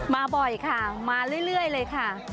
บ่อยค่ะมาเรื่อยเลยค่ะ